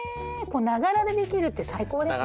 ながらでできるって最高ですね！